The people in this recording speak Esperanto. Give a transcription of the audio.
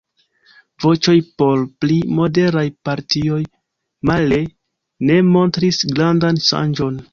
Voĉoj por pli moderaj partioj male ne montris grandan ŝanĝon.